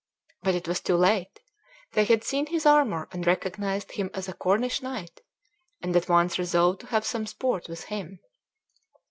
But it was too late. They had seen his armor, and recognized him as a Cornish knight, and at once resolved to have some sport with him.